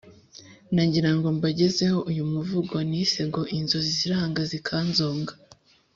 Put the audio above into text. nagirango mbagezeho uyu muvugo nise ngo " inzozi ziranga zikanzonga "